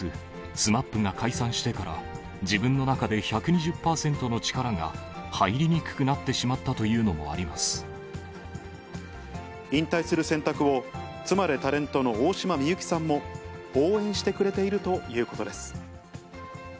ＳＭＡＰが解散してから自分の中で１２０％の力が入りにくくなっ引退する選択を、妻でタレントの大島美幸さんも、応援してくれているということです。